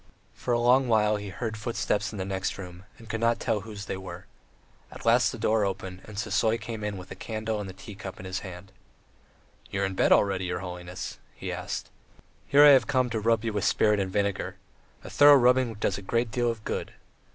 For a long while he heard footsteps in the next room and could not tell whose they were. At last the door opened, and Sisoy came in with a candle and a tea cup in his hand. "You are in bed already, your holiness?" he asked. "Here I have come to rub you with spirit and vinegar. A thorough rubbing does a great deal of good.